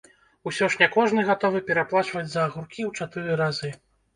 Усё ж не кожны гатовы пераплачваць за агуркі ў чатыры разы.